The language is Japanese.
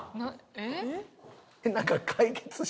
えっ？